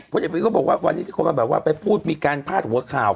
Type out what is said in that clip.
พนสวัสดีพี่ก็บอกว่าวันนี้ทุกคนมาว่าเราไปพูดมีการพลาดหัวก่าว